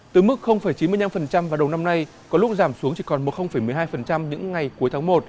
từ mức chín mươi năm vào đầu năm nay có lúc giảm xuống chỉ còn một một mươi hai những ngày cuối tháng một